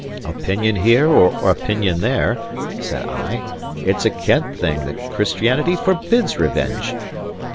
"Opinion here or opinion there," said I, "it's a kent thing that Christianity forbids revenge."